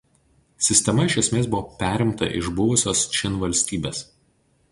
Sistema iš esmės buvo perimta iš buvusios Čin valstybės.